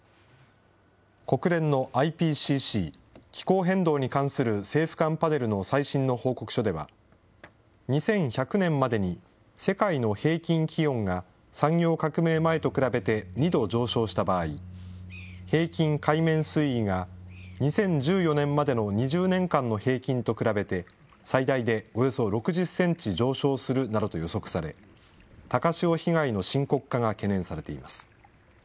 国連のＩＰＣＣ・気候変動に関する政府間パネルの最新の報告書では、２１００年までに世界の平均気温が産業革命前と比べて２度上昇した場合、平均海面水位が２０１４年までの２０年間の平均と比べて、最大でおよそ６０センチ上昇するなどと予測され、高潮被害の深刻化が懸念されています。